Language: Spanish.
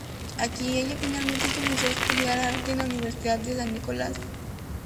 Aquí ella finalmente comenzó a estudiar arte en la Universidad de San Nicolás.